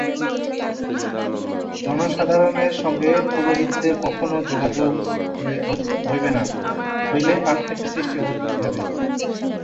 জনসাধারণের সঙ্গে পুরোহিতের কখনও যোগাযোগ হইবে না, হইলেই পার্থক্যের সৃষ্টি হইবে।